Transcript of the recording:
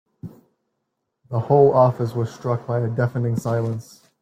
The whole office was struck by a deafening silence.